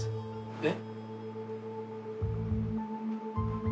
えっ？